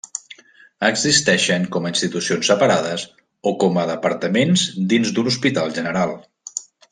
Existeixen com a institucions separades o com a departaments dins d'un hospital general.